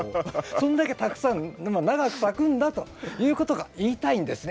そんだけたくさん長く咲くんだということが言いたいんですね